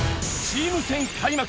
チーム戦開幕！